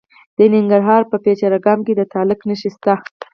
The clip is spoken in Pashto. د ننګرهار په پچیر اګام کې د تالک نښې شته.